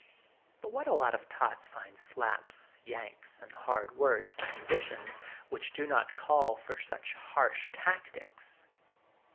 But what a lot of tots find slaps, yanks and hard words for conditions which do not call for such harsh tactics!